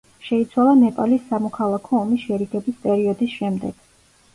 შეიცვალა ნეპალის სამოქალაქო ომის შერიგების პერიოდის შემდეგ.